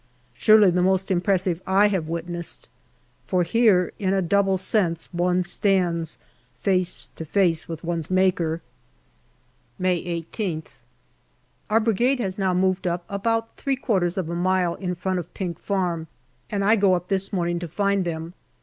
Surely the most impressive I have witnessed. For here in a double sense one stands face to face with one's Maker. May 18th. Our Brigade has now moved up about three quarters of a mile in front of Pink Farm, and I go up this morning to find them.